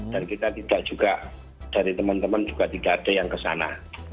dan kita tidak juga dari teman teman juga tidak ada yang kesana